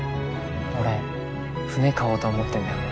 俺船買おうと思ってんだよね。